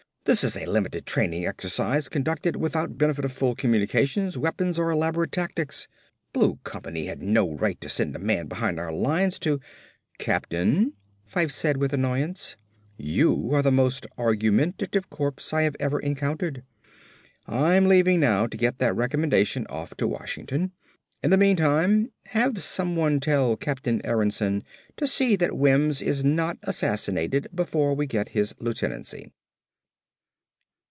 This is a limited training exercise conducted without benefit of full communications, weapons or elaborate tactics. Blue company had no right to send a man behind our lines to " "Captain," Fyfe said with annoyance, "you are the most argumentative corpse I have ever encountered. I'm leaving now to get that recommendation off to Washington. In the meantime, have someone tell Captain Aronsen to see that Wims is not assassinated before we get him his lieutenancy."